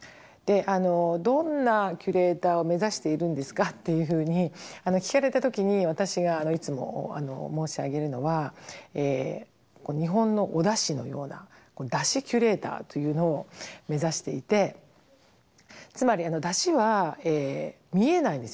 「どんなキュレーターを目指しているんですか？」っていうふうに聞かれた時に私がいつも申し上げるのは日本のお出汁のような出汁キュレーターというのを目指していてつまり出汁は見えないですよね？